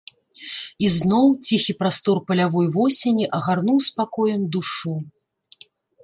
І зноў ціхі прастор палявой восені агарнуў спакоем душу.